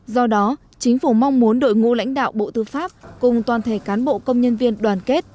do đó chính phủ mong muốn đội ngũ lãnh đạo bộ tư pháp cùng toàn thể cán bộ công nhân viên đoàn kết